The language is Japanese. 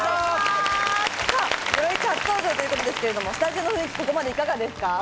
『ゼロイチ』初登場ということですが、スタジオの雰囲気いかがですか？